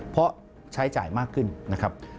เพราะใช้จ่ายมากขึ้นนะครับ